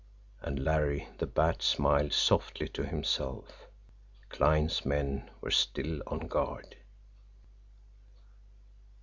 And Larry the Bat smiled softly to himself Kline's men were still on guard!